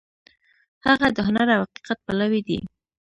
هغه د هنر او حقیقت پلوی دی.